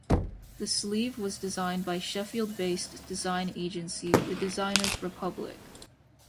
The sleeve was designed by Sheffield-based design agency The Designers Republic.